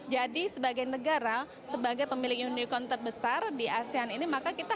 jadi sebagai negara sebagai pemilik unicorn terbesar di asean ini